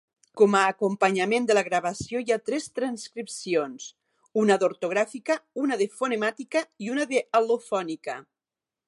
Com a acompanyament de la gravació, hi ha tres transcripcions: una d'ortogràfica, una de fonemàtica i una d'al·lofònica.